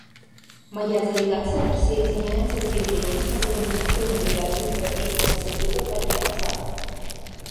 Моя делегация присоединяется к заявлению, с которым выступил наблюдатель Европейского союза два дня назад.